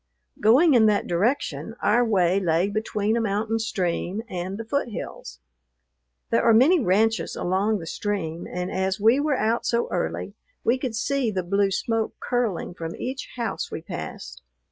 Going in that direction, our way lay between a mountain stream and the foothills. There are many ranches along the stream, and as we were out so early, we could see the blue smoke curling from each house we passed.